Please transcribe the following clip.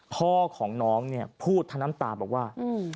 พ่อของน้องเนี่ยพูดทั้งน้ำตาบอกว่า